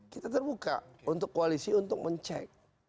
kita terbuka untuk koalisi untuk mencek